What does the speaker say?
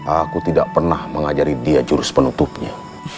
aku tidak pernah mengajari dia jurus penutupnya